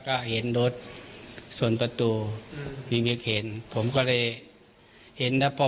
ก็เห็นรถส่วนประตูบิ๊กเห็นผมก็เลยเห็นแล้วพอปุ๊บ